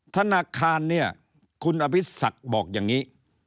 ธนาคารเนี่ยคุณอภิษศักดิ์บอกอย่างนี้